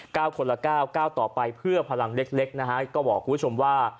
๙คนละ๙๙ประสาทต่อไปเพื่อพลังเล็กนะครับก็บอกกับคุณผู้ชมว่า